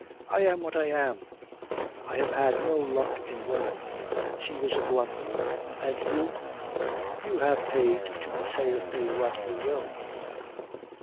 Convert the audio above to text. "I am what I am. I have had no luck in women. She was a blunder. And you you have paid to say of me what you will.